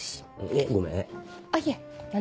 えっごめんえっ？